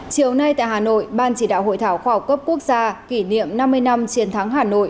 chiều nay tại hà nội ban chỉ đạo hội thảo khoa học cấp quốc gia kỷ niệm năm mươi năm chiến thắng hà nội